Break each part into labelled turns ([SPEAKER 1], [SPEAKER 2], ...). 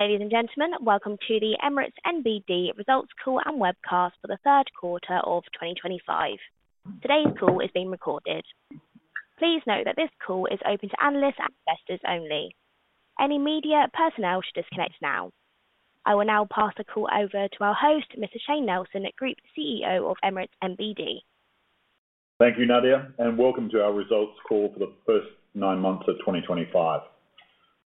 [SPEAKER 1] Ladies and gentlemen, welcome to the Emirates NBD results call and webcast for the third quarter of 2025. Today's call is being recorded. Please note that this call is open to analysts and investors only. Any media personnel should disconnect now. I will now pass the call over to our host, Mr. Shayne Nelson, Group CEO of Emirates NBD.
[SPEAKER 2] Thank you, Nadia, and welcome to our results call for the first nine months of 2025.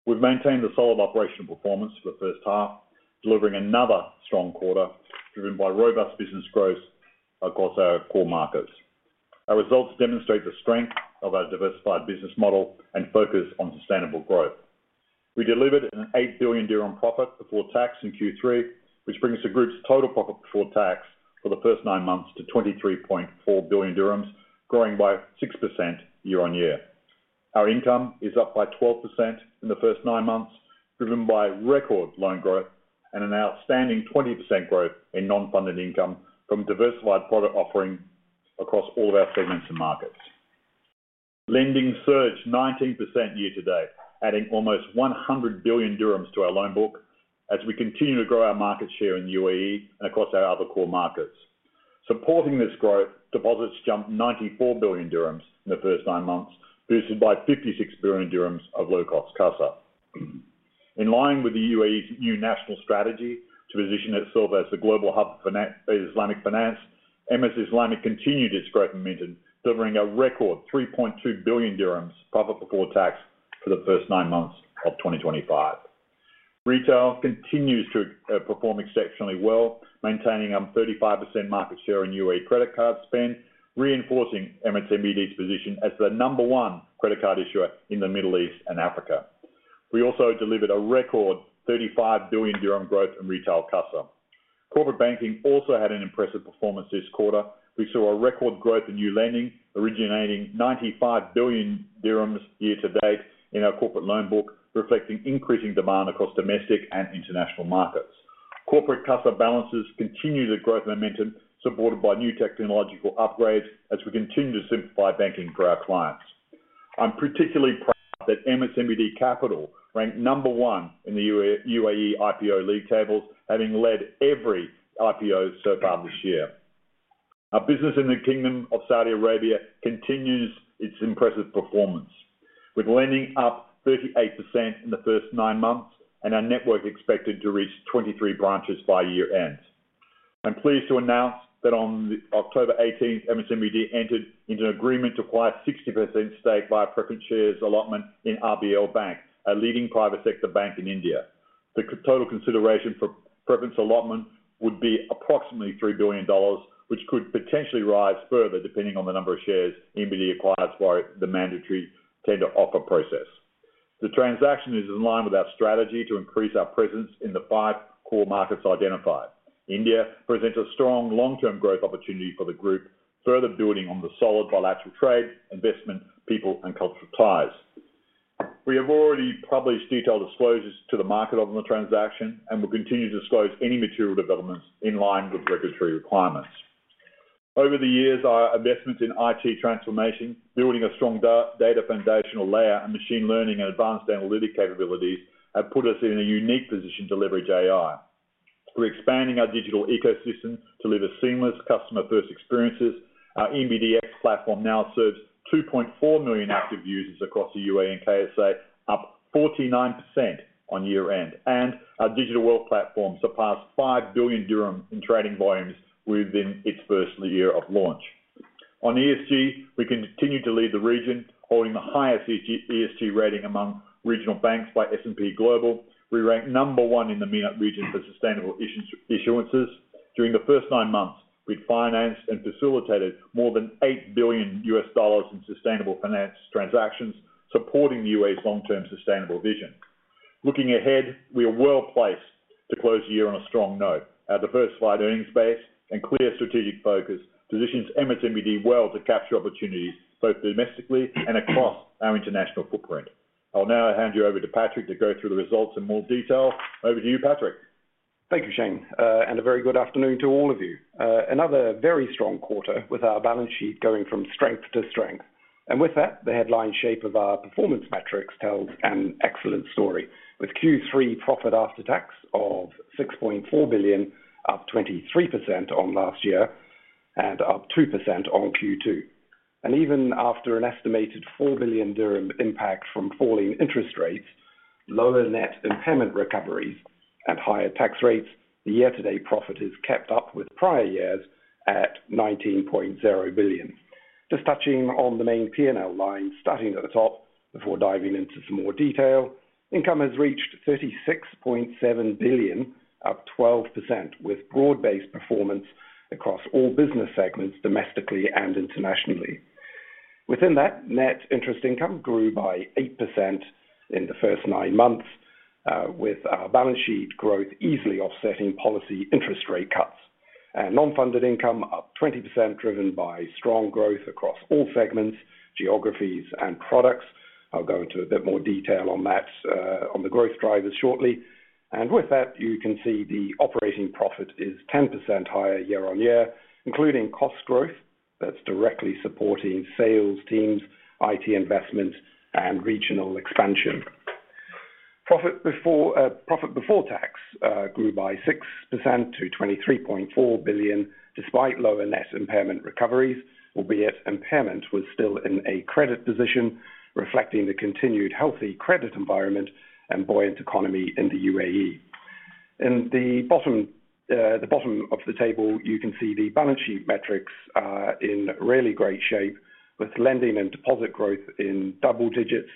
[SPEAKER 2] We've maintained a solid operational performance for the first half, delivering another strong quarter driven by robust business growth across our core markets. Our results demonstrate the strength of our diversified business model and focus on sustainable growth. We delivered an 8 billion dirham profit before tax in Q3, which brings the group's total profit before tax for the first nine months to 23.4 billion dirhams, growing by 6% year on year. Our income is up by 12% in the first nine months, driven by record loan growth and an outstanding 20% growth in non-funded income from diversified product offering across all of our segments and markets. Lending surged 19% year to date, adding almost 100 billion dirhams to our loan book as we continue to grow our market share in the UAE and across our other core markets. Supporting this growth, deposits jumped 94 billion dirhams in the first nine months, boosted by 56 billion dirhams of low-cost CASA. In line with the UAE's new national strategy to position itself as the global hub for Islamic finance, Emirates Islamic continued its growth momentum, delivering a record 3.2 billion dirhams profit before tax for the first nine months of 2025. Retail continues to perform exceptionally well, maintaining a 35% market share in UAE credit card spend, reinforcing Emirates NBD's position as the number one credit card issuer in the Middle East and Africa. We also delivered a record 35 billion dirham growth in retail CASA. Corporate banking also had an impressive performance this quarter. We saw a record growth in new lending, originating 95 billion dirhams year to date in our corporate loan book, reflecting increasing demand across domestic and international markets. Corporate CASA balances continue to grow momentum, supported by new technological upgrades as we continue to simplify banking for our clients. I'm particularly proud that Emirates NBD Capital ranked number one in the UAE IPO league tables, having led every IPO so far this year. Our business in the Kingdom of Saudi Arabia continues its impressive performance, with lending up 38% in the first nine months and our network expected to reach 23 branches by year-end. I'm pleased to announce that on October 18th, Emirates NBD entered into an agreement to acquire a 60% stake via preference shares allotment in RBL Bank, a leading private sector bank in India. The total consideration for preference allotment would be approximately $3 billion, which could potentially rise further depending on the number of shares Emirates NBD acquires via the mandatory tender offer process. The transaction is in line with our strategy to increase our presence in the five core markets identified. India presents a strong long-term growth opportunity for the group, further building on the solid bilateral trade, investment, people, and cultural ties. We have already published detailed disclosures to the market on the transaction and will continue to disclose any material developments in line with regulatory requirements. Over the years, our investments in IT transformation, building a strong data foundational layer and machine learning and advanced analytic capabilities have put us in a unique position to leverage AI. We're expanding our digital ecosystem to deliver seamless customer-first experiences. Our ENBD X platform now serves 2.4 million active users across the UAE and Saudi Arabia, up 49% on year-end, and our digital wealth platform surpassed 5 billion dirhams in trading volumes within its first year of launch. On ESG, we continue to lead the region, holding the highest ESG rating among regional banks by S&P Global. We ranked number one in the MENA region for sustainable issuances. During the first nine months, we financed and facilitated more than $8 billion in sustainable finance transactions, supporting the UAE's long-term sustainable vision. Looking ahead, we are well placed to close the year on a strong note. Our diversified earnings base and clear strategic focus position Emirates NBD well to capture opportunities both domestically and across our international footprint. I'll now hand you over to Patrick to go through the results in more detail. Over to you, Patrick.
[SPEAKER 3] Thank you, Shayne, and a very good afternoon to all of you. Another very strong quarter with our balance sheet going from strength to strength. With that, the headline shape of our performance metrics tells an excellent story, with Q3 profit after tax of 6.4 billion, up 23% on last year and up 2% on Q2. Even after an estimated 4 billion dirham impact from falling interest rates, lower net impairment recoveries, and higher tax rates, the year-to-date profit has kept up with prior years at 19.0 billion. Just touching on the main P&L line, starting at the top before diving into some more detail, income has reached 36.7 billion, up 12%, with broad-based performance across all business segments domestically and internationally. Within that, net interest income grew by 8% in the first nine months, with our balance sheet growth easily offsetting policy interest rate cuts. Non-funded income up 20%, driven by strong growth across all segments, geographies, and products. I'll go into a bit more detail on that, on the growth drivers shortly. With that, you can see the operating profit is 10% higher year on year, including cost growth that's directly supporting sales teams, IT investments, and regional expansion. Profit before tax grew by 6% to 23.4 billion, despite lower net impairment recoveries, albeit impairment was still in a credit position, reflecting the continued healthy credit environment and buoyant economy in the UAE. In the bottom of the table, you can see the balance sheet metrics in really great shape, with lending and deposit growth in double digits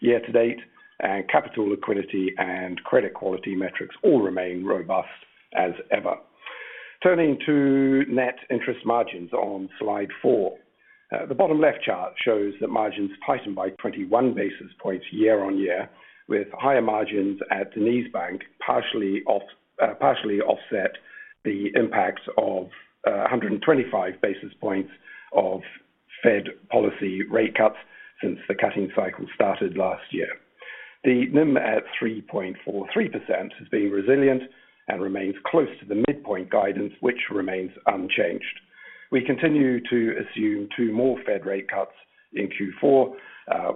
[SPEAKER 3] year to date, and capital, liquidity, and credit quality metrics all remain robust as ever. Turning to net interest margins on slide four, the bottom left chart shows that margins tightened by 21 basis points year on year, with higher margins at DenizBank partially offsetting the impacts of 125 basis points of Fed policy rate cuts since the cutting cycle started last year. The NIM at 3.43% has been resilient and remains close to the midpoint guidance, which remains unchanged. We continue to assume two more Fed rate cuts in Q4,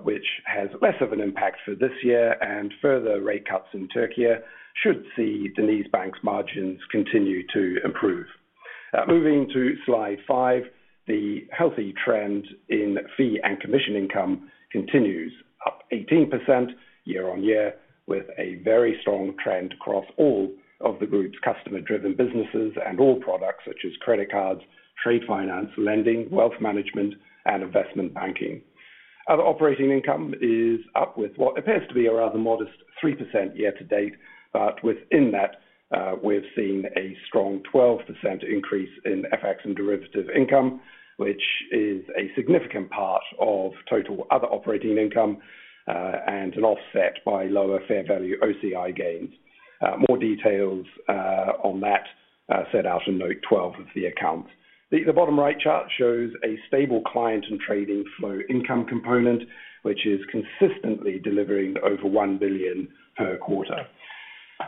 [SPEAKER 3] which has less of an impact for this year, and further rate cuts in Turkey should see DenizBank's margins continue to improve. Moving to slide five, the healthy trend in fee and commission income continues, up 18% year on year, with a very strong trend across all of the group's customer-driven businesses and all products such as credit cards, trade finance, lending, wealth management, and investment banking. Other operating income is up with what appears to be a rather modest 3% year to date, but within that, we've seen a strong 12% increase in FX and derivative income, which is a significant part of total other operating income and an offset by lower fair value OCI gains. More details on that are set out in note 12 of the accounts. The bottom right chart shows a stable client and trading flow income component, which is consistently delivering over 1 billion per quarter.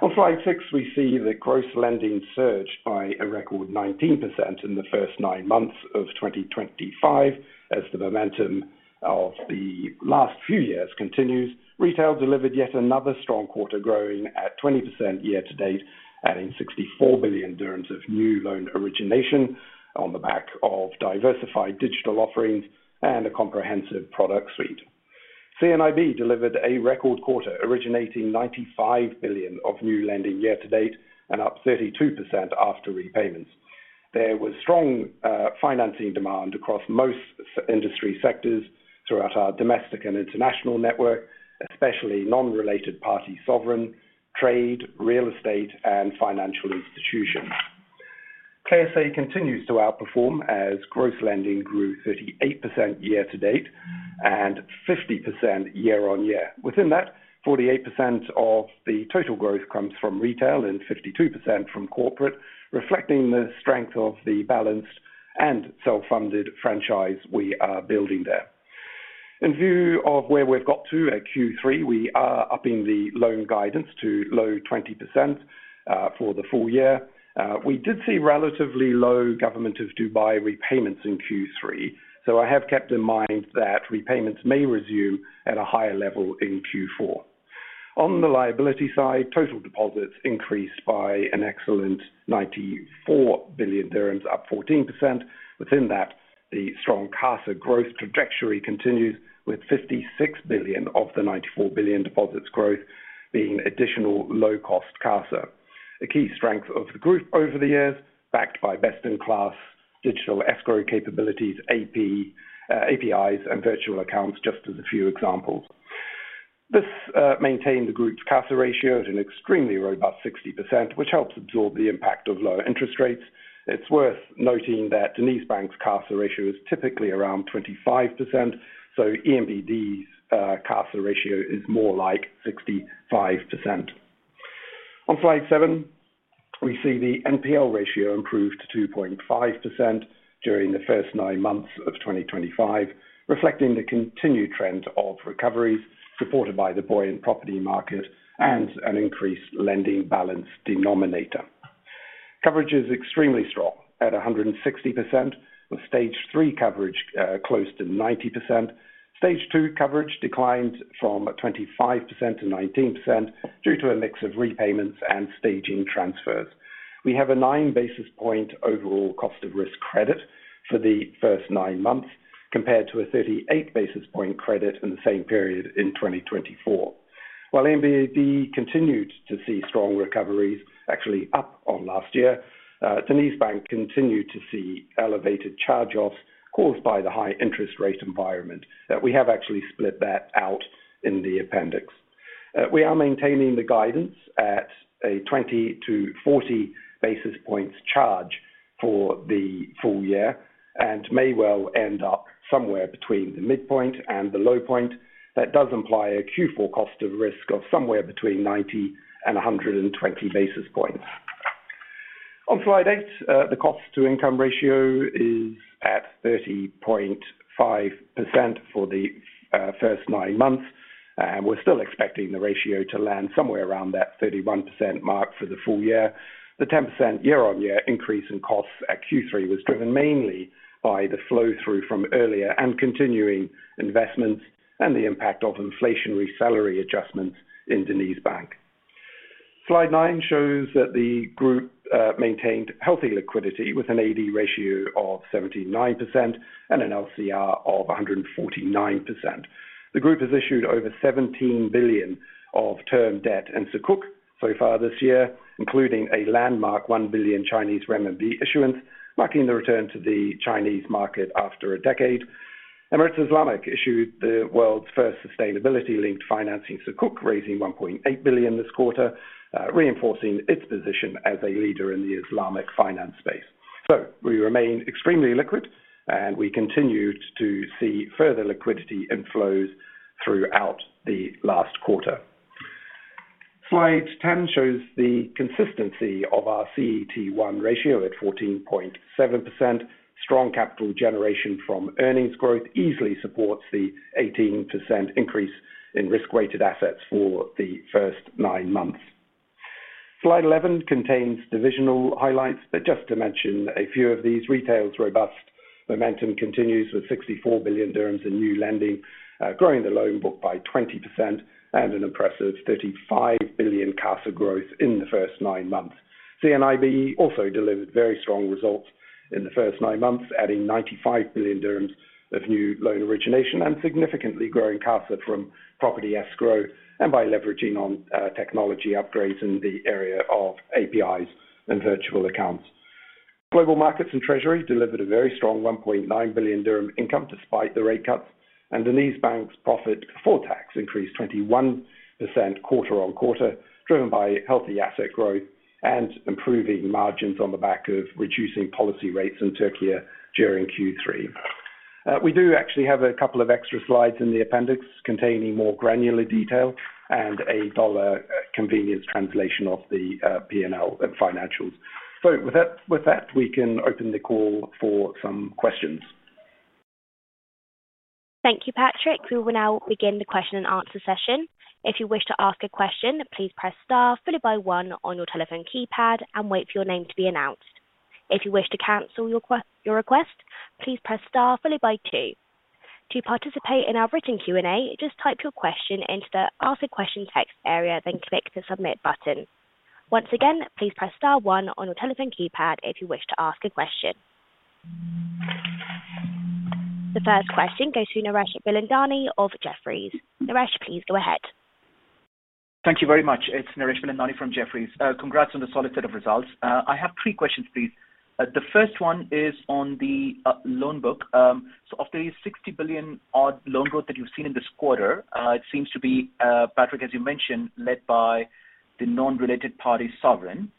[SPEAKER 3] On slide six, we see the gross lending surged by a record 19% in the first nine months of 2025, as the momentum of the last few years continues. Retail delivered yet another strong quarter, growing at 20% year to date, adding 64 billion dirhams of new loan origination on the back of diversified digital offerings and a comprehensive product suite. CNIB delivered a record quarter, originating 95 billion of new lending year to date and up 32% after repayments. There was strong financing demand across most industry sectors throughout our domestic and international network, especially non-related party sovereign, trade, real estate, and financial institutions. Saudi Arabia continues to outperform as gross lending grew 38% year to date and 50% year on year. Within that, 48% of the total growth comes from retail and 52% from corporate, reflecting the strength of the balanced and self-funded franchise we are building there. In view of where we've got to at Q3, we are upping the loan guidance to low 20% for the full year. We did see relatively low Government of Dubai repayments in Q3, so I have kept in mind that repayments may resume at a higher level in Q4. On the liability side, total deposits increased by an excellent 94 billion dirhams, up 14%. Within that, the strong CASA growth trajectory continues with 56 billion of the 94 billion deposits growth being additional low-cost CASA. A key strength of the group over the years, backed by best-in-class digital escrow capabilities, APIs, and virtual accounts, just as a few examples. This maintained the group's CASA ratio at an extremely robust 60%, which helps absorb the impact of lower interest rates. It's worth noting that DenizBank's CASA ratio is typically around 25%, so ENBD's CASA ratio is more like 65%. On slide seven, we see the NPL ratio improved to 2.5% during the first nine months of 2025, reflecting the continued trend of recoveries, supported by the buoyant property market and an increased lending balance denominator. Coverage is extremely strong at 160%, with stage three coverage close to 90%. Stage two coverage declined from 25% to 19% due to a mix of repayments and staging transfers. We have a nine basis point overall cost of risk credit for the first nine months, compared to a 38 basis point credit in the same period in 2024. While ENBD continued to see strong recoveries, actually up on last year, DenizBank continued to see elevated charge-offs caused by the high interest rate environment. We have actually split that out in the appendix. We are maintaining the guidance at a 20 to 40 basis points charge for the full year and may well end up somewhere between the midpoint and the low point. That does imply a Q4 cost of risk of somewhere between 90 and 120 basis points. On slide eight, the cost-to-income ratio is at 30.5% for the first nine months, and we're still expecting the ratio to land somewhere around that 31% mark for the full year. The 10% year-on-year increase in costs at Q3 was driven mainly by the flow-through from earlier and continuing investments and the impact of inflationary salary adjustments in DenizBank. Slide nine shows that the group maintained healthy liquidity with an AD ratio of 79% and an LCR of 149%. The group has issued over $17 billion of term debt and Sukuk so far this year, including a landmark 1 billion Chinese renminbi issuance, marking the return to the Chinese market after a decade. Emirates Islamic issued the world's first sustainability-linked financing Sukuk, raising $1.8 billion this quarter, reinforcing its position as a leader in the Islamic finance space. We remain extremely liquid, and we continue to see further liquidity inflows throughout the last quarter. Slide 10 shows the consistency of our CET1 ratio at 14.7%. Strong capital generation from earnings growth easily supports the 18% increase in risk-weighted assets for the first nine months. Slide 11 contains divisional highlights, but just to mention a few of these. Retail's robust momentum continues with 64 billion dirhams in new lending, growing the loan book by 20% and an impressive 35 billion CASA growth in the first nine months. CNIB also delivered very strong results in the first nine months, adding 95 billion dirhams of new loan origination and significantly growing CASA from property escrow and by leveraging on technology upgrades in the area of APIs and virtual accounts. Global Markets and Treasury delivered a very strong 1.9 billion dirham income despite the rate cuts, and DenizBank's profit before tax increased 21% quarter on quarter, driven by healthy asset growth and improving margins on the back of reducing policy rates in Turkey during Q3. We do actually have a couple of extra slides in the appendix containing more granular detail and a dollar convenience translation of the P&L and financials. With that, we can open the call for some questions.
[SPEAKER 1] Thank you, Patrick. We will now begin the question-and-answer session. If you wish to ask a question, please press star followed by one on your telephone keypad and wait for your name to be announced. If you wish to cancel your request, please press star followed by two. To participate in our written Q&A, just type your question into the ask a question text area, then click the submit button. Once again, please press star one on your telephone keypad if you wish to ask a question. The first question goes to Naresh Bilandani of Jefferies. Naresh, please go ahead.
[SPEAKER 4] Thank you very much. It's Naresh Bilandani from Jefferies. Congrats on the solid set of results. I have three questions, please. The first one is on the loan book. Of the $60 billion odd loan growth that you've seen in this quarter, it seems to be, Patrick, as you mentioned, led by the non-related party sovereign.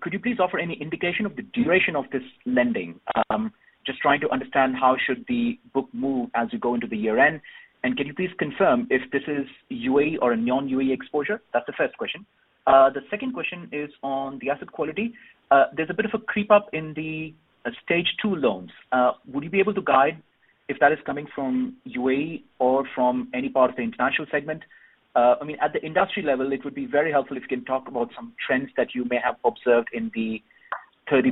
[SPEAKER 4] Could you please offer any indication of the duration of this lending? I'm just trying to understand how should the book move as you go into the year end. Can you please confirm if this is UAE or a non-UAE exposure? That's the first question. The second question is on the asset quality. There's a bit of a creep up in the stage two loans. Would you be able to guide if that is coming from UAE or from any part of the international segment? At the industry level, it would be very helpful if you can talk about some trends that you may have observed in the 30+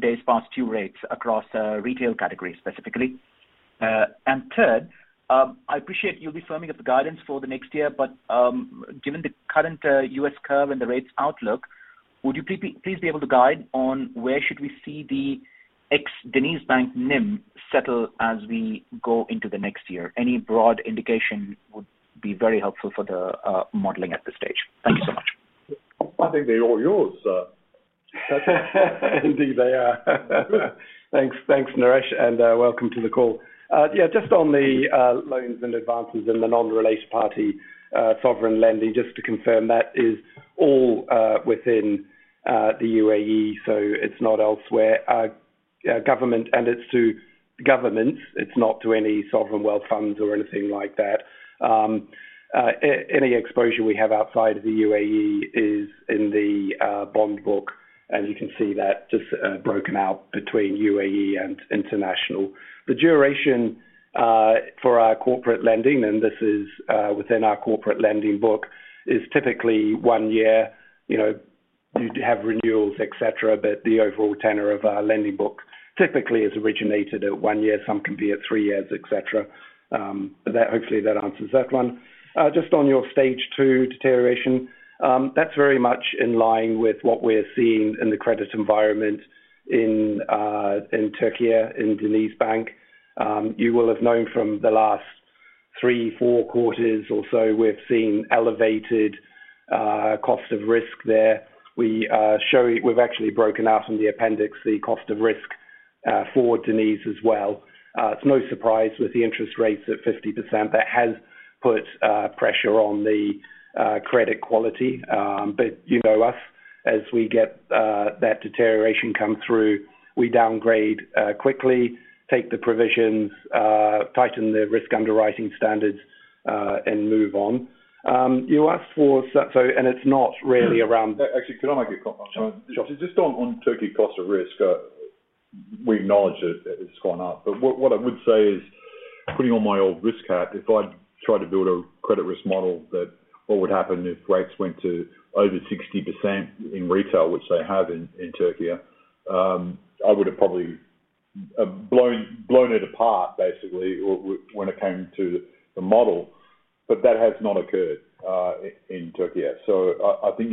[SPEAKER 4] days past due rates across retail categories specifically. Third, I appreciate you'll be firming up the guidance for the next year, but given the current U.S. curve and the rates outlook, would you please be able to guide on where should we see the ex-DenizBank net interest margin settle as we go into the next year? Any broad indication would be very helpful for the modeling at this stage. Thank you so much.
[SPEAKER 2] I think they're all yours.
[SPEAKER 3] I think they are. Thanks, Naresh, and welcome to the call. Just on the loans and advances in the non-related party sovereign lending, just to confirm that is all within the UAE, so it's not elsewhere. Government, and it's to governments, it's not to any sovereign wealth funds or anything like that. Any exposure we have outside of the UAE is in the bond book, and you can see that just broken out between UAE and international. The duration for our corporate lending, and this is within our corporate lending book, is typically one year. You'd have renewals, et cetera, but the overall tenor of our lending book typically has originated at one year. Some can be at three years, et cetera. Hopefully, that answers that one. Just on your stage two deterioration, that's very much in line with what we're seeing in the credit environment in Turkey in DenizBank. You will have known from the last three, four quarters or so we've seen elevated cost of risk there. We've actually broken out in the appendix the cost of risk for Deniz as well. It's no surprise with the interest rates at 50% that has put pressure on the credit quality. You know us, as we get that deterioration come through, we downgrade quickly, take the provisions, tighten the risk underwriting standards, and move on. You asked for, and it's not really around.
[SPEAKER 2] Actually, could I make a comment?
[SPEAKER 3] Sure.
[SPEAKER 2] Just on Turkey cost of risk, we acknowledge that it's gone up. What I would say is, putting on my old risk hat, if I tried to build a credit risk model that what would happen if rates went to over 60% in retail, which they have in Turkey, I would have probably blown it apart, basically, when it came to the model. That has not occurred in Turkey. I think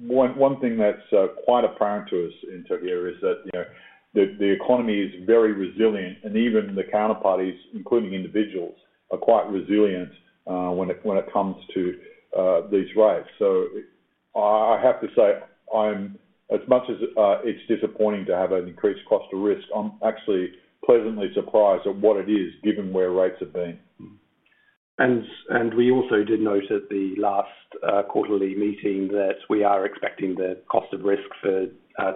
[SPEAKER 2] one thing that's quite apparent to us in Turkey is that the economy is very resilient and even the counterparties, including individuals, are quite resilient when it comes to these rates. I have to say, as much as it's disappointing to have an increased cost of risk, I'm actually pleasantly surprised at what it is given where rates have been.
[SPEAKER 3] We also did note at the last quarterly meeting that we are expecting the cost of risk for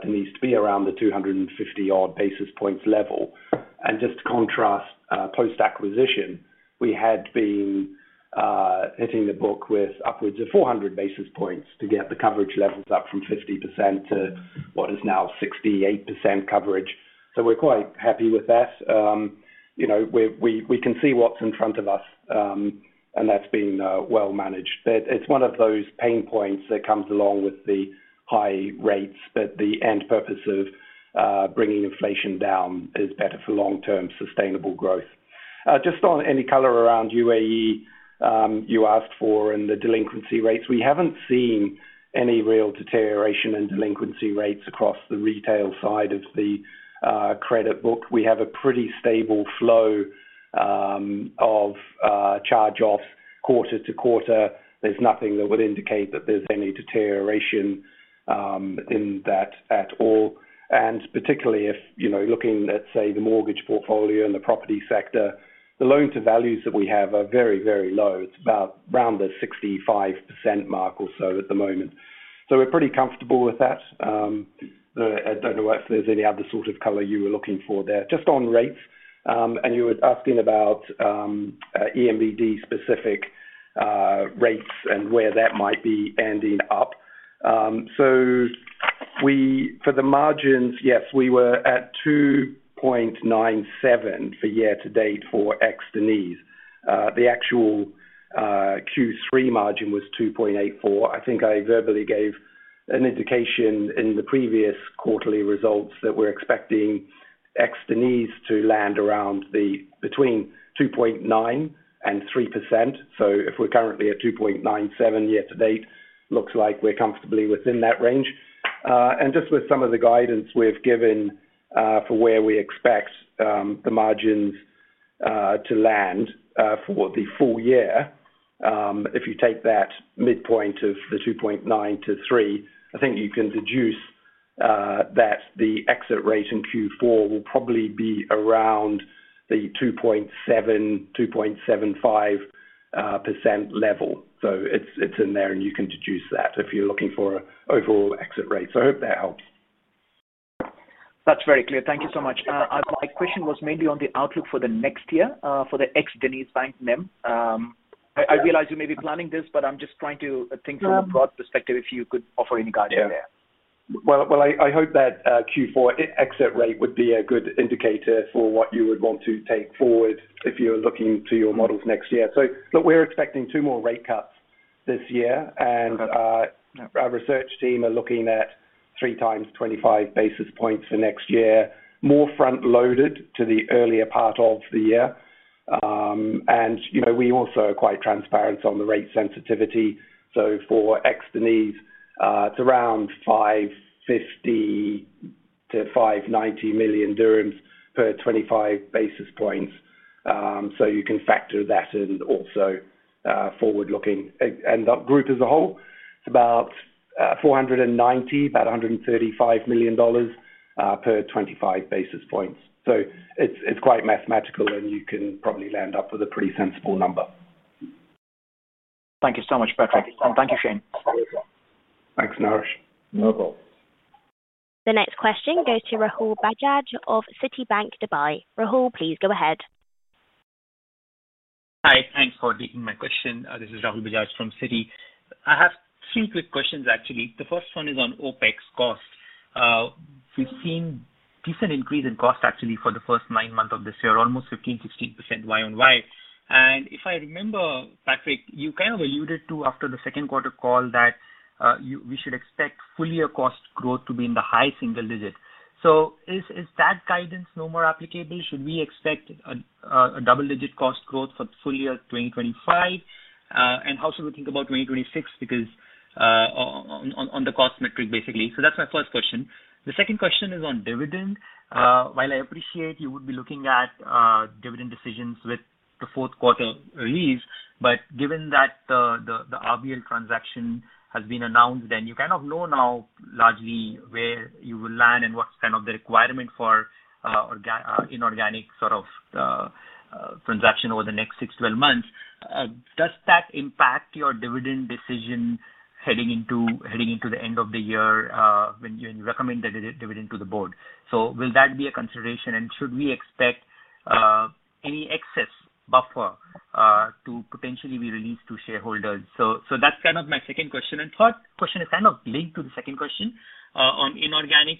[SPEAKER 3] Deniz to be around the 250-odd basis points level. Just to contrast, post-acquisition, we had been hitting the book with upwards of 400 basis points to get the coverage levels up from 50% to what is now 68% coverage. We are quite happy with that. We can see what's in front of us, and that's been well managed. It's one of those pain points that comes along with the high rates, but the end purpose of bringing inflation down is better for long-term sustainable growth. Just on any color around UAE you asked for, and the delinquency rates, we haven't seen any real deterioration in delinquency rates across the retail side of the credit book. We have a pretty stable flow of charge-offs quarter to quarter. There's nothing that would indicate that there's any deterioration in that at all. Particularly if you're looking at, say, the mortgage portfolio and the property sector, the loan-to-values that we have are very, very low. It's about around the 65% mark or so at the moment. We are pretty comfortable with that. I don't know if there's any other sort of color you were looking for there. Just on rates, and you were asking about ENBD-specific rates and where that might be ending up. For the margins, yes, we were at 2.97% for year to date for ex-Deniz. The actual Q3 margin was 2.84%. I think I verbally gave an indication in the previous quarterly results that we're expecting ex-Deniz to land around between 2.9% and 3%. If we're currently at 2.97% year to date, it looks like we're comfortably within that range. With some of the guidance we've given for where we expect the margins to land for the full year, if you take that midpoint of the 2.9%-3%, I think you can deduce that the exit rate in Q4 will probably be around the 2.7%-2.75% level. It's in there, and you can deduce that if you're looking for an overall exit rate. I hope that helps.
[SPEAKER 4] That's very clear. Thank you so much. My question was mainly on the outlook for the next year for the ex-Deniz NIM. I realize you may be planning this, but I'm just trying to think from a broad perspective if you could offer any guidance there.
[SPEAKER 3] I hope that Q4 exit rate would be a good indicator for what you would want to take forward if you're looking to your models next year. Look, we're expecting two more rate cuts this year, and our research team are looking at three times 25 basis points for next year, more front-loaded to the earlier part of the year. You know we also are quite transparent on the rate sensitivity. For ex-Deniz, it's around 550 million to 590 million dirhams per 25 basis points. You can factor that in also forward looking. For the group as a whole, it's about 490 million, about $135 million per 25 basis points. It's quite mathematical, and you can probably end up with a pretty sensible number.
[SPEAKER 4] Thank you so much, Patrick. Thank you, Shayne.
[SPEAKER 3] Thanks, Naresh.
[SPEAKER 2] No problem.
[SPEAKER 1] The next question goes to Rahul Bajaj of Citibank Dubai. Rahul, please go ahead.
[SPEAKER 5] Hi. Thanks for taking my question. This is Rahul Bajaj from Citi. I have three quick questions, actually. The first one is on OpEx costs. We've seen a decent increase in cost, actually, for the first nine months of this year, almost 15, 16% year on year. If I remember, Patrick, you kind of alluded to after the second quarter call that we should expect full-year cost growth to be in the high single digit. Is that guidance no more applicable? Should we expect a double-digit cost growth for full-year 2025? How should we think about 2026 on the cost metric, basically? That's my first question. The second question is on dividend. While I appreciate you would be looking at dividend decisions with the fourth quarter release, given that the RBL transaction has been announced and you kind of know now largely where you will land and what's kind of the requirement for inorganic sort of transaction over the next 6-12 months, does that impact your dividend decision heading into the end of the year when you recommend the dividend to the board? Will that be a consideration? Should we expect any excess buffer to potentially be released to shareholders? That's my second question. The third question is kind of linked to the second question on inorganic.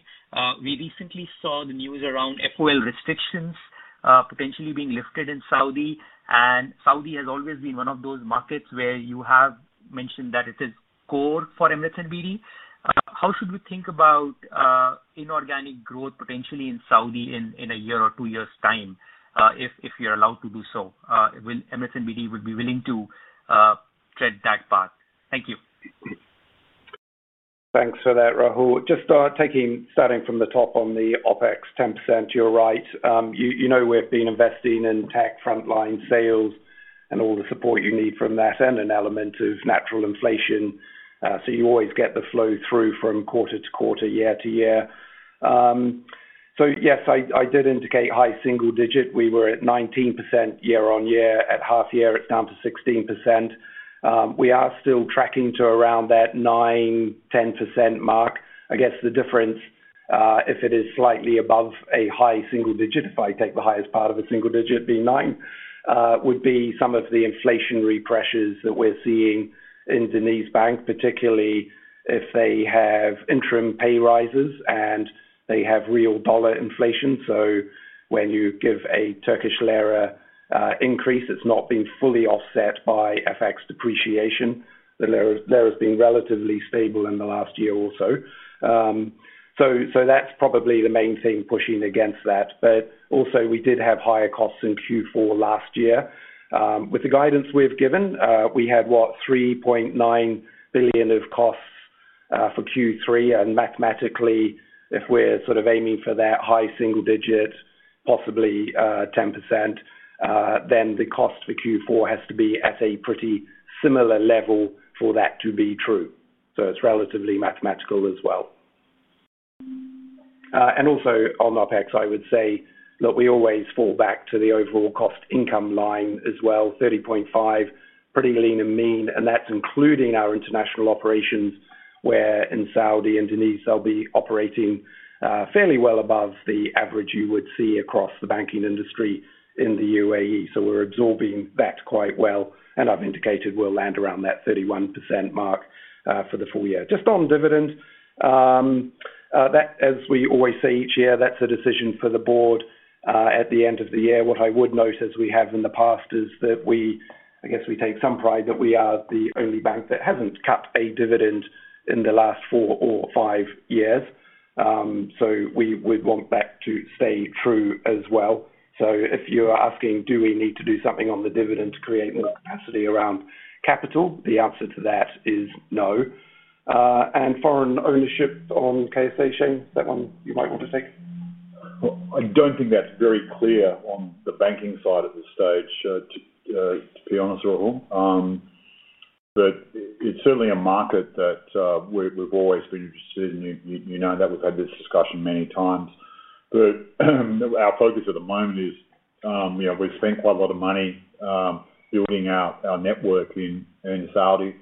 [SPEAKER 5] We recently saw the news around FOL restrictions potentially being lifted in Saudi, and Saudi has always been one of those markets where you have mentioned that it is core for Emirates NBD. How should we think about inorganic growth potentially in Saudi in a year or two years' time if you're allowed to do so? Will Emirates NBD be willing to tread that path? Thank you.
[SPEAKER 3] Thanks for that, Rahul. Just starting from the top on the OpEx 10%, you're right. You know we've been investing in tech, frontline sales, and all the support you need from that and an element of natural inflation. You always get the flow through from quarter to quarter, year to year. Yes, I did indicate high single digit. We were at 19% year on year. At half year, it's down to 16%. We are still tracking to around that 9%, 10% mark. I guess the difference, if it is slightly above a high single digit, if I take the highest part of a single digit being 9, would be some of the inflationary pressures that we're seeing in DenizBank, particularly if they have interim pay rises and they have real dollar inflation. When you give a Turkish lira increase, it's not been fully offset by FX depreciation. The lira has been relatively stable in the last year or so. That's probably the main thing pushing against that. We did have higher costs in Q4 last year. With the guidance we've given, we had, what, $3.9 billion of costs for Q3. Mathematically, if we're sort of aiming for that high single digit, possibly 10%, then the cost for Q4 has to be at a pretty similar level for that to be true. It's relatively mathematical as well. Also on OpEx, I would say, look, we always fall back to the overall cost-to-income line as well, 30.5%, pretty lean and mean. That's including our international operations where in Saudi and Deniz, I'll be operating fairly well above the average you would see across the banking industry in the UAE. We're absorbing that quite well. I've indicated we'll land around that 31% mark for the full year. Just on dividend, as we always say each year, that's a decision for the board at the end of the year. What I would note, as we have in the past, is that we, I guess we take some pride that we are the only bank that hasn't cut a dividend in the last four or five years. We would want that to stay true as well. If you are asking, do we need to do something on the dividend to create more capacity around capital? The answer to that is no. Foreign ownership on KSA, Shayne, is that one you might want to take?
[SPEAKER 2] I don't think that's very clear on the banking side at this stage, to be honest, Rahul. It's certainly a market that we've always been interested in. You know that we've had this discussion many times. Our focus at the moment is, you know, we've spent quite a lot of money building our network in Saudi.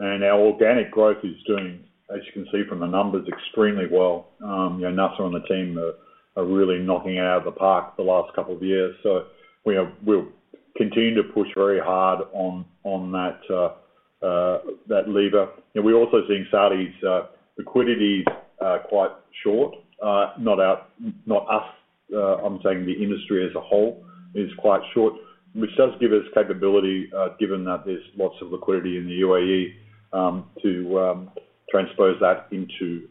[SPEAKER 2] Our organic growth is doing, as you can see from the numbers, extremely well. Nasser and the team are really knocking it out of the park the last couple of years. We'll continue to push very hard on that lever. We're also seeing Saudi's liquidity quite short. Not us, I'm saying the industry as a whole is quite short, which does give us capability, given that there's lots of liquidity in the UAE, to transpose that into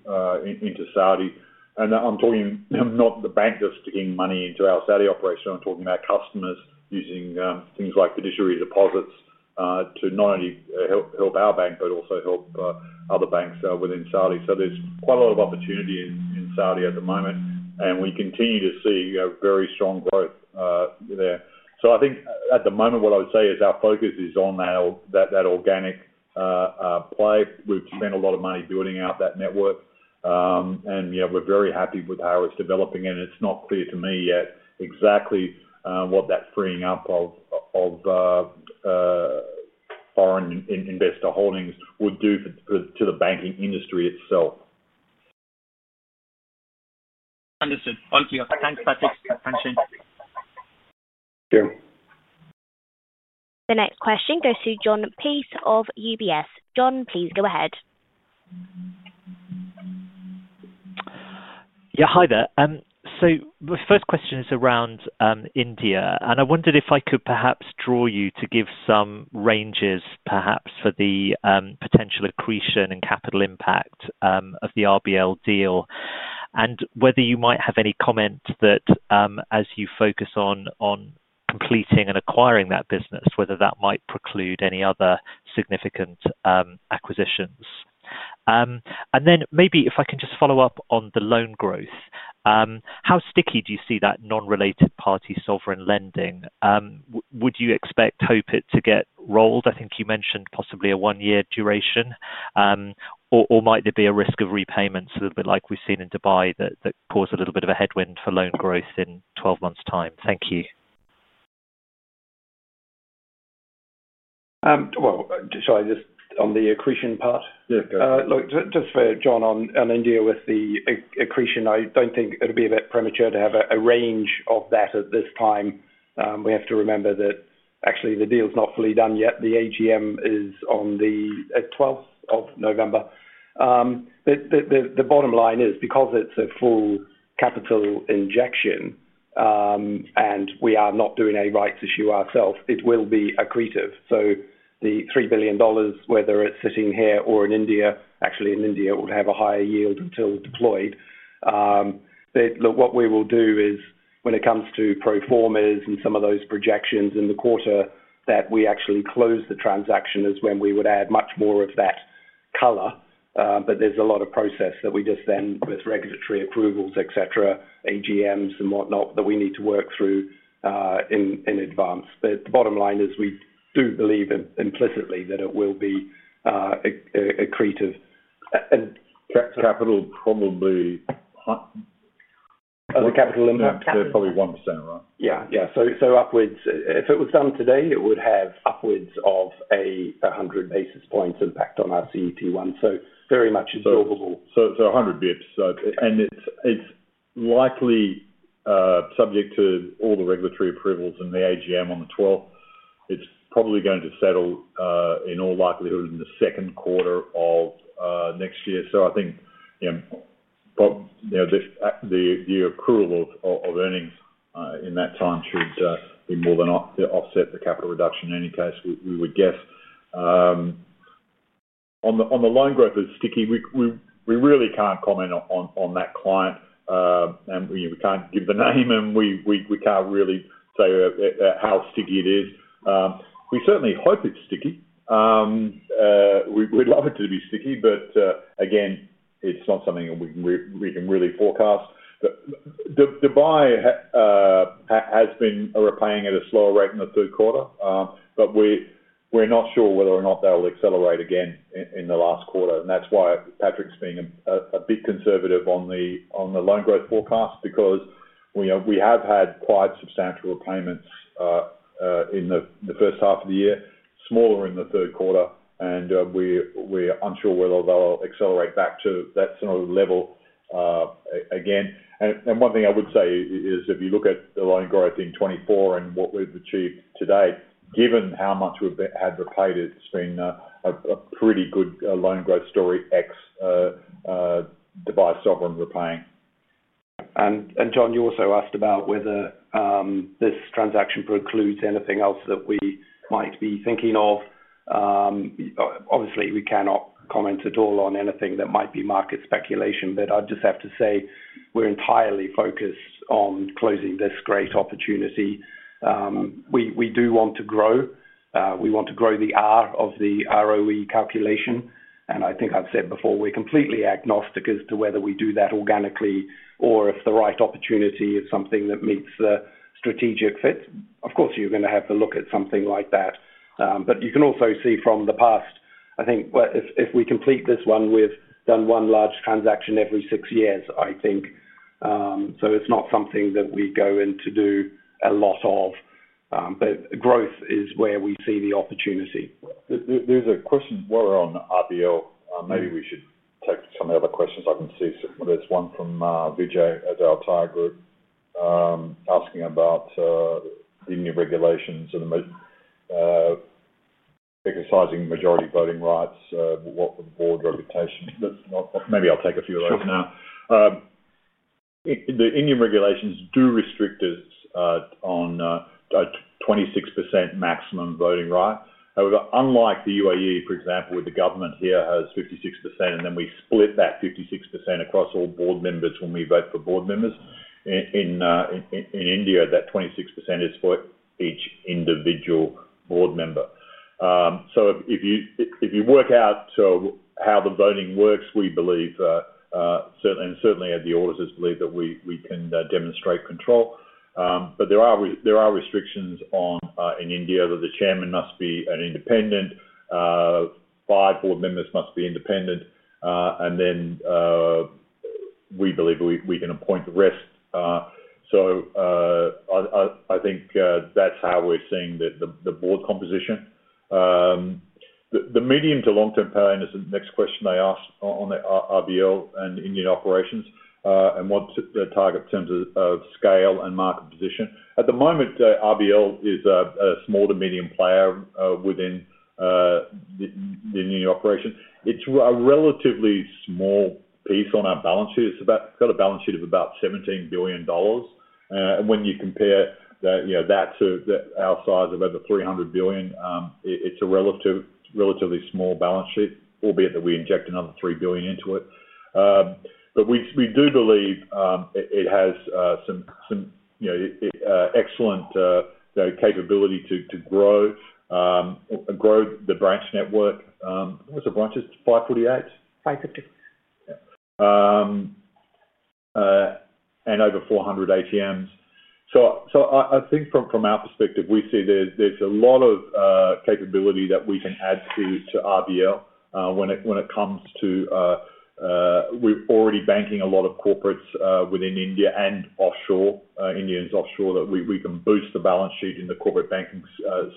[SPEAKER 2] Saudi. I'm talking not the bank just sticking money into our Saudi operation. I'm talking about customers using things like fiduciary deposits to not only help our bank, but also help other banks within Saudi. There's quite a lot of opportunity in Saudi at the moment. We continue to see very strong growth there. I think at the moment, what I would say is our focus is on that organic play. We've spent a lot of money building out that network. Yeah, we're very happy with how it's developing. It's not clear to me yet exactly what that freeing up of foreign investor holdings would do to the banking industry itself.
[SPEAKER 5] Understood. All clear. Thanks, Patrick. Thanks, Shayne.
[SPEAKER 2] Yeah.
[SPEAKER 1] The next question goes to Jon Peace of UBS. Jon, please go ahead.
[SPEAKER 6] Hi there. The first question is around India. I wondered if I could perhaps draw you to give some ranges, perhaps, for the potential accretion and capital impact of the RBL deal and whether you might have any comment that, as you focus on completing and acquiring that business, whether that might preclude any other significant acquisitions. Maybe if I can just follow up on the loan growth. How sticky do you see that non-related party sovereign lending? Would you expect Hope to get rolled? I think you mentioned possibly a one-year duration. Might there be a risk of repayments a little bit like we've seen in Dubai that cause a little bit of a headwind for loan growth in 12 months' time? Thank you.
[SPEAKER 3] Sorry, just on the accretion part.
[SPEAKER 2] Yeah, go ahead.
[SPEAKER 3] Look, just for Jon on India with the accretion, I don't think it would be a bit premature to have a range of that at this time. We have to remember that actually the deal is not fully done yet. The AGM is on the 12th of November. The bottom line is because it's a full capital injection and we are not doing a rights issue ourselves, it will be accretive. The $3 billion, whether it's sitting here or in India, actually in India would have a higher yield until deployed. What we will do is when it comes to proformas and some of those projections in the quarter that we actually close the transaction is when we would add much more of that color. There's a lot of process that we just then, with regulatory approvals, et cetera, AGMs and whatnot, that we need to work through in advance. The bottom line is we do believe implicitly that it will be accretive.
[SPEAKER 2] Capital probably.
[SPEAKER 3] The capital impact.
[SPEAKER 2] Probably 1%, right?
[SPEAKER 3] If it was done today, it would have upwards of a 100 basis points impact on our CET1. Very much absorbable.
[SPEAKER 2] 100 bps, and it's likely subject to all the regulatory approvals and the AGM on the 12th. It's probably going to settle in all likelihood in the second quarter of next year. I think the accrual of earnings in that time should more than offset the capital reduction in any case, we would guess. On the loan growth, it's sticky. We really can't comment on that client. We can't give the name, and we can't really say how sticky it is. We certainly hope it's sticky. We'd love it to be sticky, but again, it's not something that we can really forecast. Dubai has been repaying at a slower rate in the third quarter. We're not sure whether or not they'll accelerate again in the last quarter. That's why Patrick's being a bit conservative on the loan growth forecast because we have had quite substantial repayments in the first half of the year, smaller in the third quarter. We're unsure whether they'll accelerate back to that sort of level again. One thing I would say is if you look at the loan growth in 2024 and what we've achieved today, given how much we've had repaid, it's been a pretty good loan growth story ex-Dubai sovereign repaying.
[SPEAKER 3] Jon, you also asked about whether this transaction precludes anything else that we might be thinking of. Obviously, we cannot comment at all on anything that might be market speculation. I'd just have to say we're entirely focused on closing this great opportunity. We do want to grow. We want to grow the R of the ROE calculation. I think I've said before, we're completely agnostic as to whether we do that organically or if the right opportunity is something that meets the strategic fit. Of course, you're going to have to look at something like that. You can also see from the past, I think if we complete this one, we've done one large transaction every six years, I think. It's not something that we go in to do a lot of. Growth is where we see the opportunity.
[SPEAKER 2] There's a question more on RBL. Maybe we should take some of the other questions. I can see there's one from Vijay Azar Tag group asking about the Indian regulations and exercising majority voting rights. What for the board reputation? Maybe I'll take a few of those now. The Indian regulations do restrict us on a 26% maximum voting right. However, unlike the UAE, for example, where the government here has 56% and then we split that 56% across all board members when we vote for board members, in India, that 26% is for each individual board member. If you work out how the voting works, we believe, and certainly the auditors believe, that we can demonstrate control. There are restrictions in India that the chairman must be an independent, five board members must be independent, and then we believe we can appoint the rest. I think that's how we're seeing the board composition. The medium to long-term plan is the next question they asked on the RBL and Indian operations and what's the target in terms of scale and market position. At the moment, RBL is a small to medium player within the Indian operation. It's a relatively small piece on our balance sheet. It's got a balance sheet of about $17 billion. When you compare that to our size of over $300 billion, it's a relatively small balance sheet, albeit that we inject another $3 billion into it. We do believe it has some excellent capability to grow the branch network. What was the branch? It's 548.
[SPEAKER 6] 558.
[SPEAKER 2] Yeah. Over 400 ATMs. I think from our perspective, we see there's a lot of capability that we can add to RBL when it comes to we're already banking a lot of corporates within India and Indians offshore, that we can boost the balance sheet in the corporate banking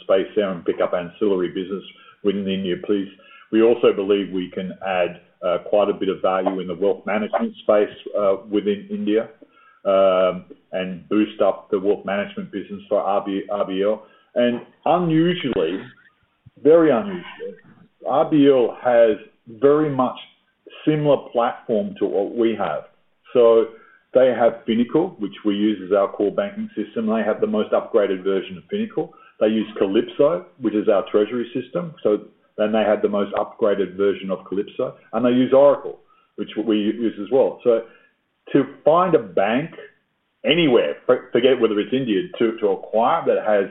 [SPEAKER 2] space there and pick up ancillary business within the Indian police. We also believe we can add quite a bit of value in the wealth management space within India and boost up the wealth management business for RB. Unusually, very unusually, RBL has a very much similar platform to what we have. They have Pinnacle, which we use as our core banking system. They have the most upgraded version of Pinnacle. They use Calypso, which is our treasury system. They have the most upgraded version of Calypso. They use Oracle, which we use as well. To find a bank anywhere, forget whether it's India, to acquire that has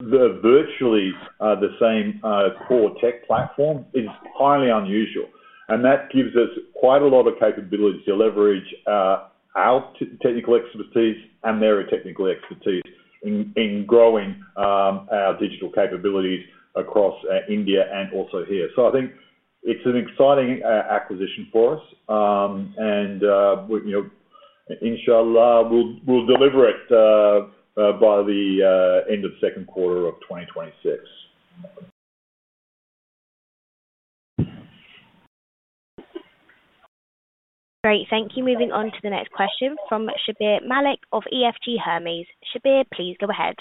[SPEAKER 2] virtually the same core tech platform is highly unusual. That gives us quite a lot of capabilities to leverage our technical expertise and their technical expertise in growing our digital capabilities across India and also here. I think it's an exciting acquisition for us. Inshallah, we'll deliver it by the end of the second quarter of 2026.
[SPEAKER 1] Great. Thank you. Moving on to the next question from Shabbir Malik of EFG Hermes. Shabbir, please go ahead.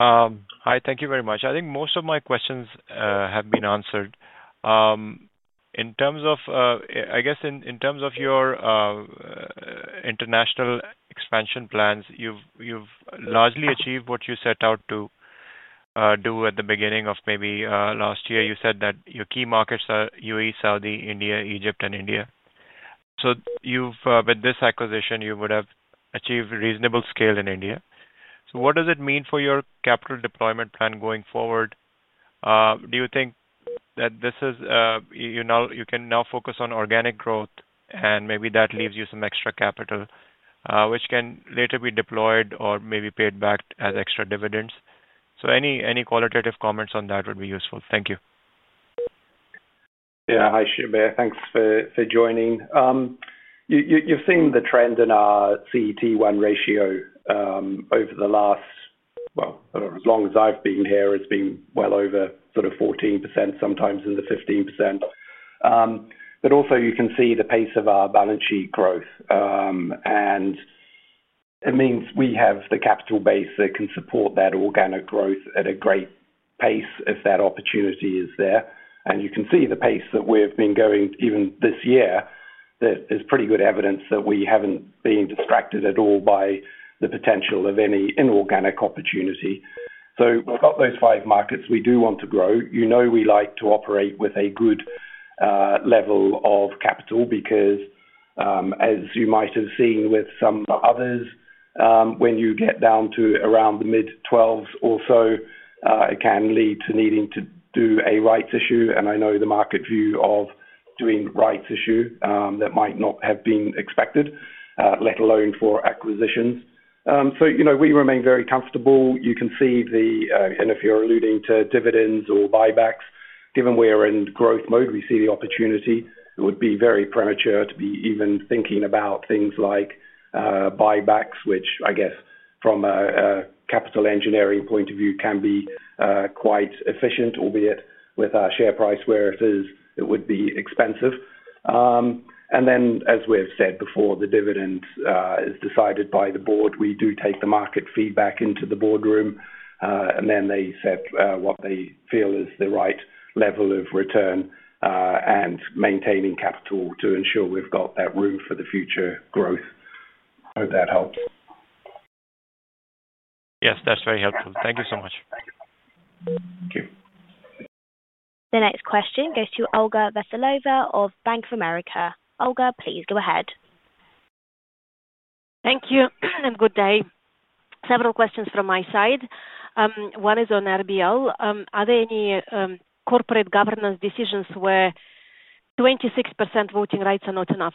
[SPEAKER 7] Hi. Thank you very much. I think most of my questions have been answered. In terms of your international expansion plans, you've largely achieved what you set out to do at the beginning of maybe last year. You said that your key markets are UAE, Saudi, Egypt, and India. With this acquisition, you would have achieved reasonable scale in India. What does it mean for your capital deployment plan going forward? Do you think that you can now focus on organic growth, and maybe that leaves you some extra capital, which can later be deployed or maybe paid back as extra dividends? Any qualitative comments on that would be useful. Thank you.
[SPEAKER 3] Yeah. Hi, Shabbir. Thanks for joining. You've seen the trend in our CET1 ratio over the last, well, as long as I've been here, it's been well over sort of 14%, sometimes in the 15%. You can see the pace of our balance sheet growth. It means we have the capital base that can support that organic growth at a great pace if that opportunity is there. You can see the pace that we've been going even this year, that is pretty good evidence that we haven't been distracted at all by the potential of any inorganic opportunity. We've got those five markets we do want to grow. You know we like to operate with a good level of capital because, as you might have seen with some others, when you get down to around the mid-12s or so, it can lead to needing to do a rights issue. I know the market view of doing rights issue that might not have been expected, let alone for acquisitions. We remain very comfortable. You can see the, and if you're alluding to dividends or buybacks, given we are in growth mode, we see the opportunity. It would be very premature to be even thinking about things like buybacks, which I guess from a capital engineering point of view can be quite efficient, albeit with our share price where it is, it would be expensive. As we have said before, the dividend is decided by the board. We do take the market feedback into the boardroom, and then they set what they feel is the right level of return and maintaining capital to ensure we've got that room for the future growth. I hope that helps.
[SPEAKER 7] Yes, that's very helpful. Thank you so much.
[SPEAKER 3] Thank you.
[SPEAKER 1] The next question goes to Olga Veselova of Bank of America. Olga, please go ahead.
[SPEAKER 8] Thank you. Good day. Several questions from my side. One is on RBL. Are there any corporate governance decisions where 26% voting rights are not enough?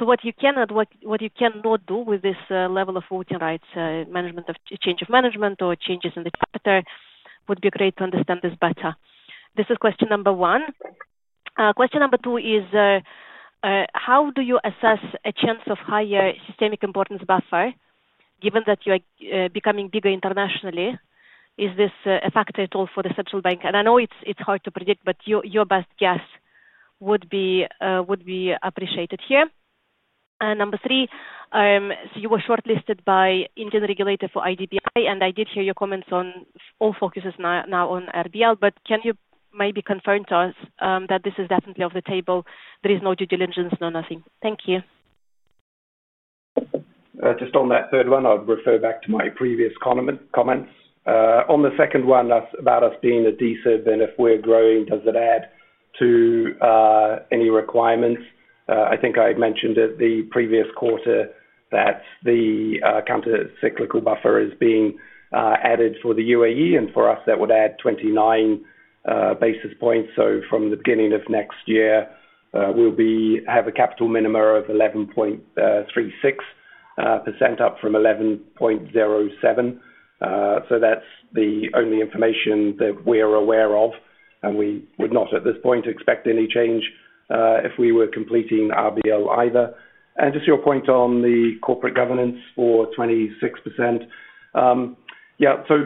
[SPEAKER 8] What can you not do with this level of voting rights, management of change of management, or changes in the character? It would be great to understand this better. This is question number one. Question number two is, how do you assess a chance of higher systemic importance buffer given that you are becoming bigger internationally? Is this a factor at all for the central bank? I know it's hard to predict, but your best guess would be appreciated here. Number three, you were shortlisted by the Indian regulator for IDBI, and I did hear your comments that all focus is now on RBL. Can you maybe confirm to us that this is definitely off the table? There is no due diligence, no nothing. Thank you.
[SPEAKER 3] Just on that third one, I would refer back to my previous comments. On the second one, that has been a decent, and if we're growing, does it add to any requirements? I think I mentioned at the previous quarter that the countercyclical buffer is being added for the UAE, and for us, that would add 29 basis points. From the beginning of next year, we'll have a capital minimum of 11.36% up from 11.07%. That's the only information that we're aware of. We would not at this point expect any change if we were completing RBL either. Just to your point on the corporate governance for 26%, yeah, so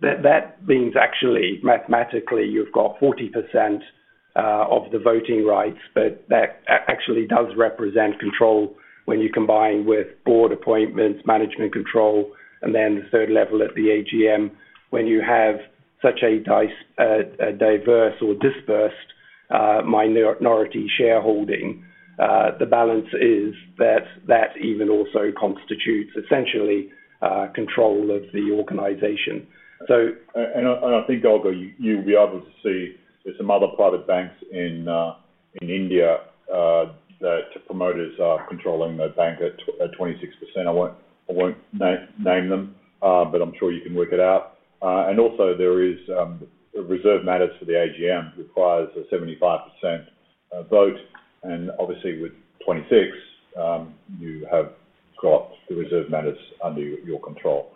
[SPEAKER 3] that means actually mathematically, you've got 40% of the voting rights, but that actually does represent control when you combine with board appointments, management control, and then the third level at the AGM. When you have such a diverse or dispersed minority shareholding, the balance is that that even also constitutes essentially control of the organization.
[SPEAKER 2] I think, Olga, you'll be able to see with some other private banks in India that promoters are controlling their bank at 26%. I won't name them, but I'm sure you can work it out. There is reserve matters for the AGM that requires a 75% vote. Obviously, with 26%, you have got the reserve matters under your control.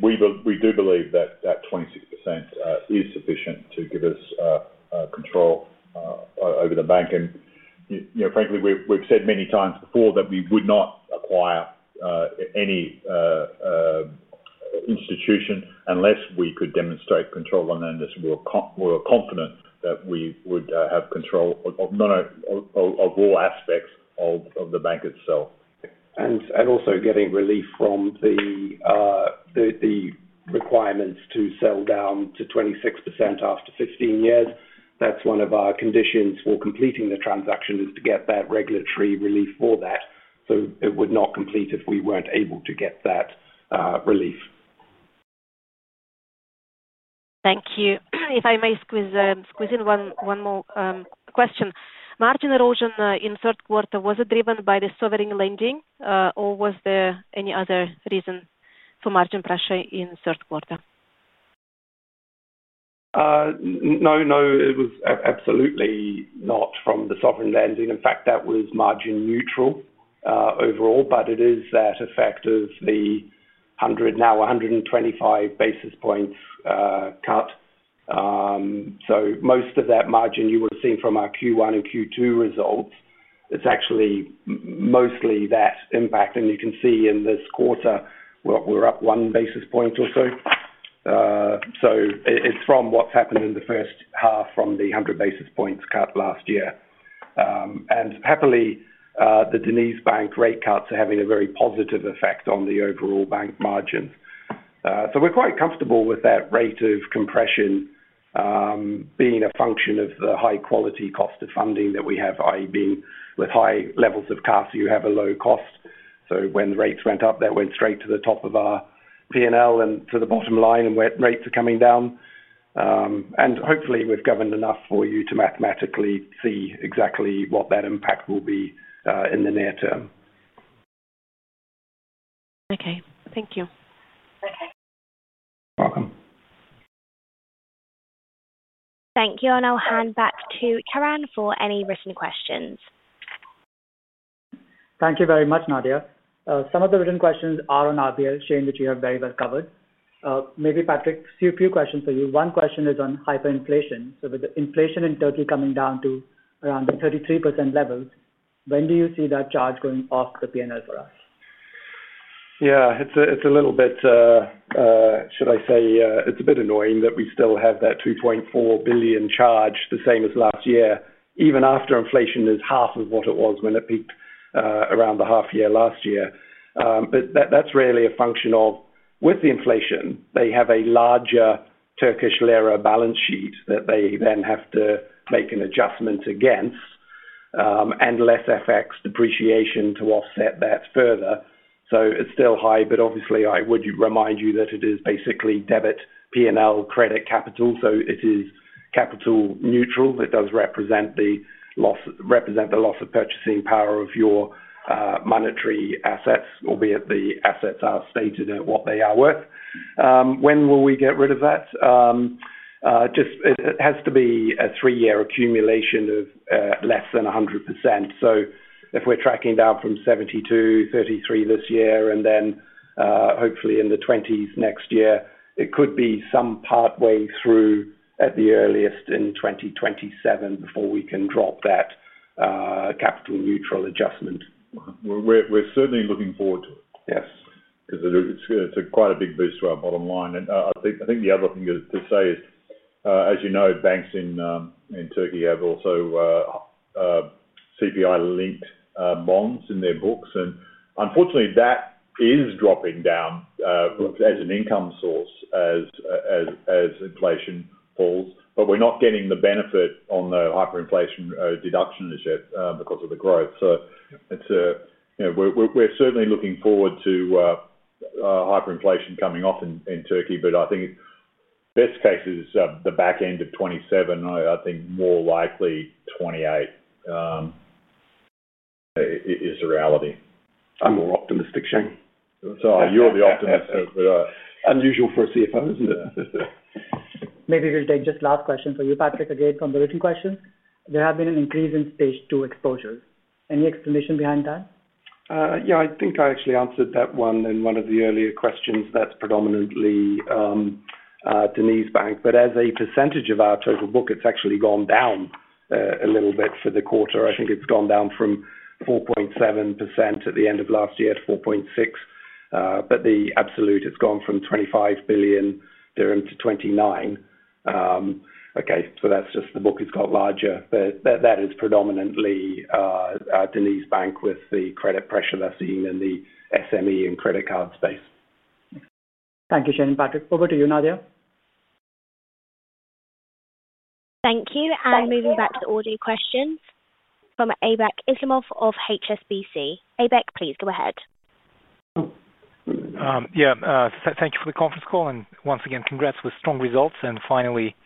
[SPEAKER 2] We do believe that 26% is sufficient to give us control over the bank. Frankly, we've said many times before that we would not acquire any institution unless we could demonstrate control. We're confident that we would have control of all aspects of the bank itself.
[SPEAKER 3] Are also getting relief from the requirements to sell down to 26% after 15 years. That is one of our conditions for completing the transaction, to get that regulatory relief for that. It would not complete if we were not able to get that relief.
[SPEAKER 8] Thank you. If I may squeeze in one more question, margin erosion in the third quarter, was it driven by the sovereign lending, or was there any other reason for margin pressure in the third quarter?
[SPEAKER 3] No, no. It was absolutely not from the sovereign lending. In fact, that was margin neutral overall. It is that effect of the 100, now 125 basis points cut. Most of that margin you were seeing from our Q1 and Q2 results, it's actually mostly that impact. You can see in this quarter, we're up one basis point or so. It's from what's happened in the first half from the 100 basis points cut last year. Happily, the DenizBank rate cuts are having a very positive effect on the overall bank margins. We're quite comfortable with that rate of compression being a function of the high-quality cost of funding that we have, i.e., being with high levels of CASA, you have a low cost. When the rates went up, that went straight to the top of our P&L and to the bottom line, and where rates are coming down. Hopefully, we've governed enough for you to mathematically see exactly what that impact will be in the near term.
[SPEAKER 8] Okay, thank you.
[SPEAKER 3] Okay.
[SPEAKER 8] Welcome.
[SPEAKER 1] Thank you. I'll hand back to Karan for any written questions.
[SPEAKER 9] Thank you very much, Nadia. Some of the written questions are on RBL, Shayne, which you have very well covered. Maybe, Patrick, a few questions for you. One question is on hyperinflation. With the inflation in Turkey coming down to around the 33% levels, when do you see that charge going off the P&L for us?
[SPEAKER 3] Yeah, it's a little bit, should I say, it's a bit annoying that we still have that $2.4 billion charge, the same as last year, even after inflation is half of what it was when it peaked around the half year last year. That's really a function of, with the inflation, they have a larger Turkish lira balance sheet that they then have to make an adjustment against and less FX depreciation to offset that further. It's still high, but obviously, I would remind you that it is basically debit P&L credit capital. It is capital neutral. It does represent the loss of purchasing power of your monetary assets, albeit the assets are stated at what they are worth. When will we get rid of that? It has to be a three-year accumulation of less than 100%. If we're tracking down from 72, 33 this year, and then hopefully in the 20s next year, it could be some partway through at the earliest in 2027 before we can drop that capital neutral adjustment.
[SPEAKER 2] We're certainly looking forward to it.
[SPEAKER 3] Yes.
[SPEAKER 2] It's quite a big boost to our bottom line. I think the other thing to say is, as you know, banks in Turkey have also CPI-linked bonds in their books. Unfortunately, that is dropping down as an income source as inflation falls. We're not getting the benefit on the hyperinflation deduction as yet because of the growth. We're certainly looking forward to hyperinflation coming off in Turkey. I think in best cases, the back end of 2027, I think more likely 2028 is the reality.
[SPEAKER 3] I'm more optimistic, Shayne.
[SPEAKER 2] You're the optimist.
[SPEAKER 3] Unusual for a CFO, isn't it?
[SPEAKER 9] Maybe, just last question for you, Patrick, again from the written questions. There has been an increase in stage two exposures. Any explanation behind that?
[SPEAKER 3] Yeah, I think I actually answered that one in one of the earlier questions. That's predominantly DenizBank. As a percentage of our total book, it's actually gone down a little bit for the quarter. I think it's gone down from 4.7% at the end of last year to 4.6%. In absolute terms, it's gone from 25 billion-29 billion dirham. That's just the book has got larger. That is predominantly DenizBank with the credit pressure they're seeing in the SME and credit card space.
[SPEAKER 9] Thank you, Shayne and Patrick. Over to you, Nadia.
[SPEAKER 1] Thank you. Moving back to the audio questions from Aybek Islamov of HSBC. Aybek, please go ahead.
[SPEAKER 10] Yeah. Thank you for the conference call. Once again, congrats with strong results and finally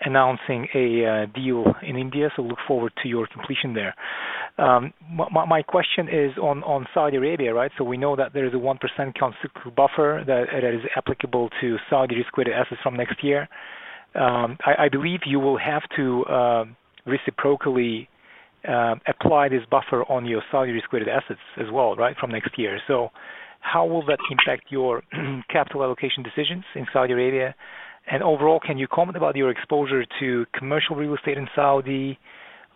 [SPEAKER 10] announcing a deal in India. I look forward to your completion there. My question is on Saudi Arabia, right? We know that there is a 1% countercyclical buffer that is applicable to Saudi-risked assets from next year. I believe you will have to reciprocally apply this buffer on your Saudi-risked assets as well, right, from next year. How will that impact your capital allocation decisions in Saudi Arabia? Overall, can you comment about your exposure to commercial real estate in Saudi,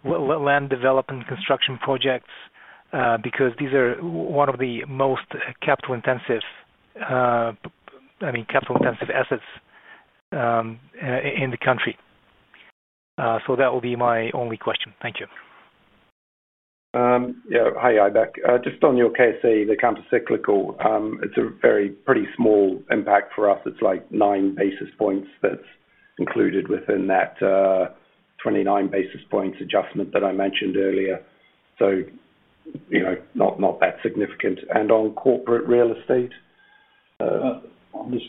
[SPEAKER 10] land development, construction projects? These are some of the most capital-intensive assets in the country. That will be my only question. Thank you.
[SPEAKER 3] Yeah. Hi, Aybek. Just on your KSA, the countercyclical, it's a very pretty small impact for us. It's like 9 basis points that's included within that 29 basis points adjustment that I mentioned earlier. You know, not that significant. And on corporate real estate.
[SPEAKER 2] I'm just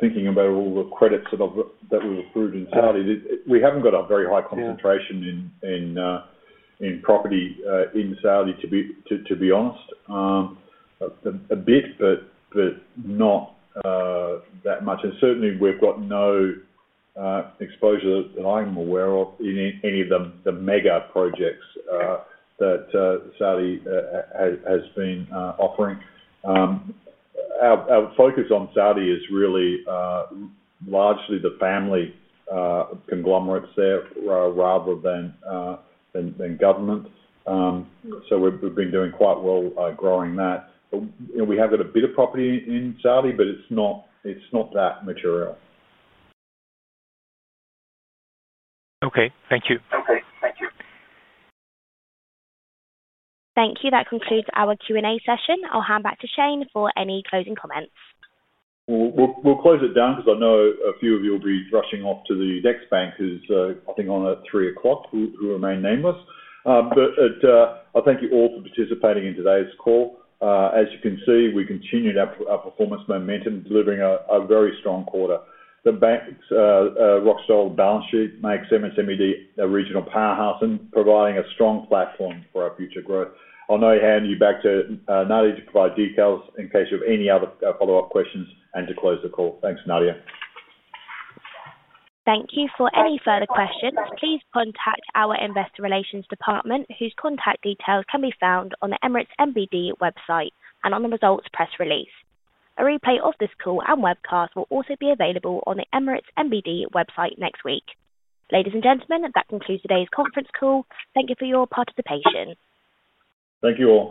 [SPEAKER 2] thinking about all the credits that we've accrued in Saudi. We haven't got a very high concentration in property in Saudi, to be honest. A bit, but not that much. Certainly, we've got no exposure that I'm aware of in any of the mega projects that Saudi has been offering. Our focus on Saudi is really largely the family conglomerates there rather than government. We've been doing quite well growing that. We have got a bit of property in Saudi, but it's not that material.
[SPEAKER 10] Okay. Thank you.
[SPEAKER 1] Thank you. That concludes our Q&A session. I'll hand back to Shayne for any closing comments.
[SPEAKER 2] I know a few of you will be rushing off to the next bank, who I think is on at 3:00, who remain nameless. I thank you all for participating in today's call. As you can see, we continue to have our performance momentum, delivering a very strong quarter. The bank's rock-solid balance sheet makes Emirates NBD a regional powerhouse and provides a strong platform for our future growth. I'll now hand you back to Nadia to provide details in case you have any other follow-up questions and to close the call. Thanks, Nadia.
[SPEAKER 1] Thank you. For any further questions, please contact our Investor Relations department, whose contact details can be found on the Emirates NBD website and on the results press release. A replay of this call and webcast will also be available on the Emirates NBD website next week. Ladies and gentlemen, that concludes today's conference call. Thank you for your participation.
[SPEAKER 2] Thank you all.